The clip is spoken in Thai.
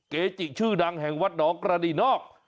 เกจิชื่อดังแห่งวัดหนองกระดีนอก